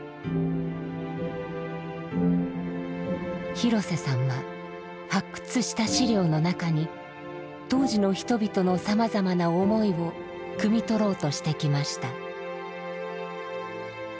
廣瀬さんは発掘した資料の中に当時の人々のさまざまな思いをくみ取ろうとしてきました。